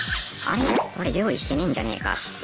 これ料理してねえんじゃねえか？とか。